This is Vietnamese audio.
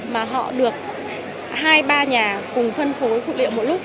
mà họ được hai ba nhà cùng phân phối phụ liệu một lúc